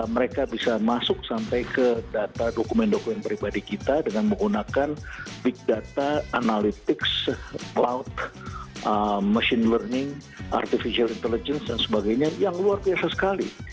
mereka bisa masuk sampai ke data dokumen dokumen pribadi kita dengan menggunakan big data analytics cloud machine learning artificial intelligence dan sebagainya yang luar biasa sekali